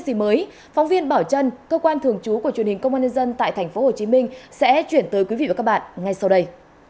xin chào các bạn và hẹn gặp lại